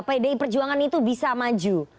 pdi perjuangan itu bisa maju